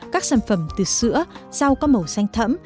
các sản phẩm từ sữa rau có màu xanh thẫm